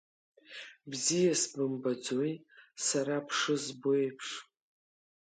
Бзиа сбымбаӡои, сара бшызбо еиԥш?